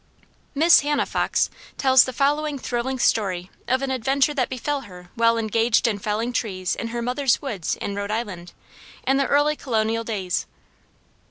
Miss Hannah Fox tells the following thrilling story of an adventure that befel her while engaged in felling trees in her mother's woods in Rhode Island, in the early colonial days.